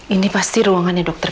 ini pasti ruangannya dokter